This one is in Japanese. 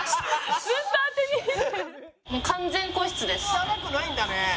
「汚くないんだね。